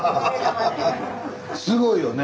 すごいよね。